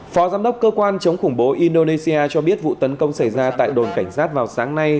phó giám đốc cơ quan chống khủng bố indonesia cho biết vụ tấn công xảy ra tại đồn cảnh sát vào sáng nay